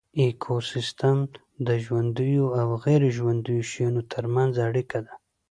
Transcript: ایکوسیستم د ژوندیو او غیر ژوندیو شیانو ترمنځ اړیکه ده